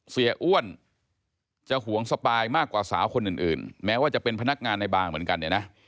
เสียอ้วนจะหวงสปายมากกว่าสาวคนอื่นแม้ว่าจะเป็นพนักงานในบางเหมือนกันเนี่ยนะ